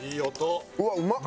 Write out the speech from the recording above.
うわうまっ！